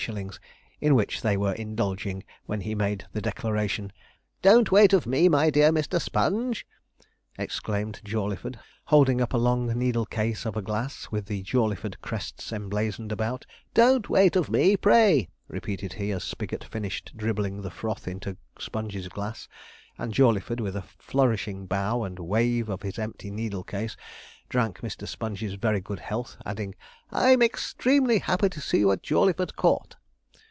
_, in which they were indulging when he made the declaration: 'don't wait of me, my dear Mr. Sponge!' exclaimed Jawleyford, holding up a long needle case of a glass with the Jawleyford crests emblazoned about; 'don't wait of me, pray,' repeated he, as Spigot finished dribbling the froth into Sponge's glass; and Jawleyford, with a flourishing bow and waive of his empty needle case, drank Mr. Sponge's very good health, adding, 'I'm extremely happy to see you at Jawleyford Court.'